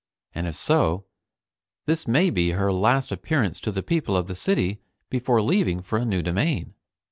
And if so, this may be her last appearance to the people of the city before leaving for a new domain.